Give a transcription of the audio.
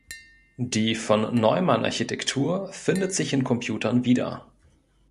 Die Von-Neumann-Architektur findet sich in Computern wieder